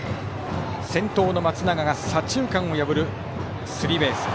先頭の松永が左中間を破るスリーベース。